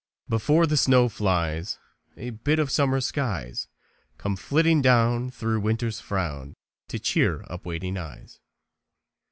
CHARLES E. JENNEY. Before the snow flies A bit of Summer skies Comes flitting down Through Winter's frown To cheer up waiting eyes.